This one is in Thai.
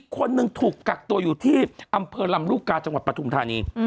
คนหนึ่งถูกกักตัวอยู่ที่อำเภอลำลูกกาจังหวัดปฐุมธานี